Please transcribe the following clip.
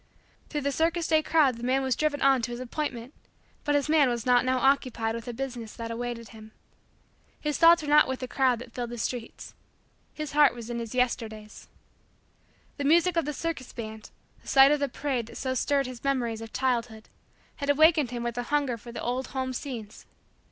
Through the circus day crowd the man was driven on to his appointment but his mind was not now occupied with the business that awaited him. His thoughts were not with the crowd that filled the streets. His heart was in his Yesterdays. The music of the circus band, the sight of the parade that so stirred his memories of childhood, had awakened within him a hunger for the old home scenes.